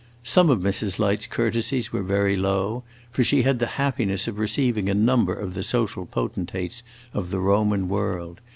Some of Mrs. Light's courtesies were very low, for she had the happiness of receiving a number of the social potentates of the Roman world.